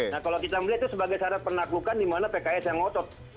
nah kalau kita melihat itu sebagai syarat penaklukan di mana pks yang ngotot